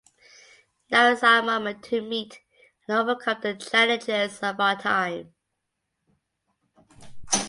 Now is our moment to meet and overcome the challenges of our time.